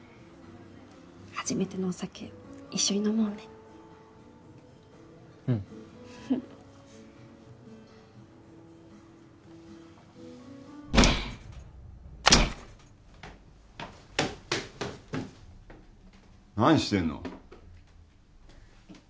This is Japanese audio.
初めてのお酒一緒に飲もうねうん何してんの？